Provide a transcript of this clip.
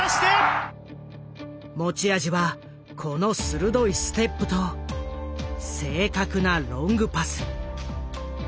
持ち味はこの鋭いステップと正確なロングパス。